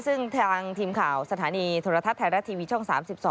ซึ่งทางทีมข่าวสถานีโทรทัศน์ไทยรัฐทีวีช่อง๓๒